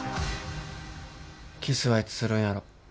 キスはいつするんやろ。